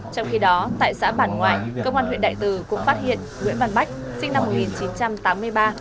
trong khi đó tại xã bản ngoại công an huyện đại từ cũng phát hiện nguyễn văn bách sinh năm một nghìn chín trăm tám mươi ba